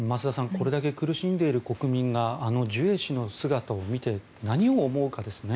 これだけ苦しんでいる国民があのジュエ氏の姿を見て何を思うかですね。